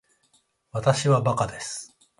わたしはバカです